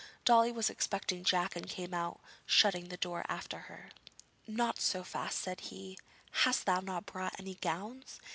Dolly was expecting Jack and came out, shutting the door after her. 'Not so fast,' said he; 'hast thou not brought any gowns?